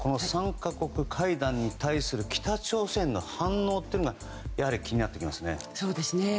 ３か国会談に対する北朝鮮の反応が気になってきますね。